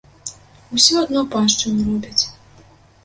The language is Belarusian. Усё адно паншчыну робяць.